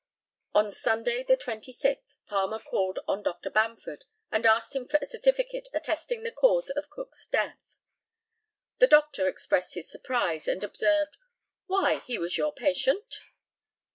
On Sunday, the 26th, Palmer called on Dr. Bamford, and asked him for a certificate attesting the cause of Cook's death. The doctor expressed his surprise, and observed, "Why, he was your patient?"